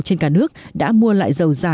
trên cả nước đã mua lại dầu giả